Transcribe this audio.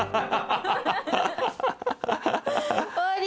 終わり？